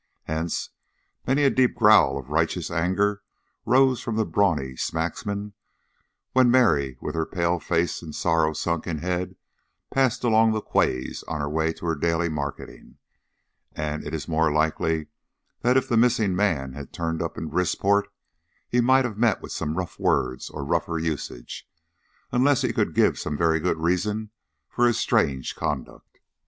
Hence many a deep growl of righteous anger rose from the brawny smacksmen when Mary with her pale face and sorrow sunken head passed along the quays on her way to her daily marketing; and it is more than likely that if the missing man had turned up in Brisport he might have met with some rough words or rougher usage, unless he could give some very good reason for his strange conduct.